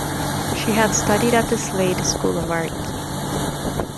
She had studied at the Slade School of Art.